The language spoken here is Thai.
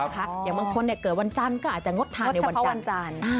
อย่างบางคนเกิดวันจันทร์ก็อาจจะงดทานงดเฉพาะวันจันทร์